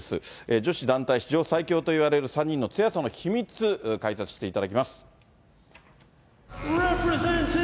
女子団体史上最強といわれる３人の強さの秘密、解説していただきます。